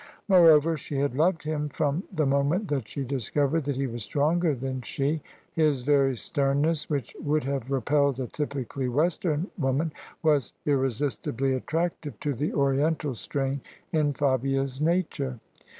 ' Moreover she had loved him from the moment that she discovered that he was stronger than she. His very sternness, which would have repelled a typically western woman, was itresistibly attractive to the Oriental strain in Fabia's nature.